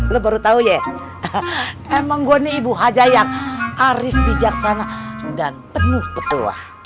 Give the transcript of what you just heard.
lo baru tau ya emang gue nih ibu haja yang harib bijaksana dan penuh pitua